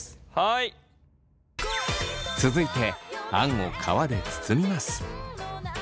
続いてあんを皮で包みます。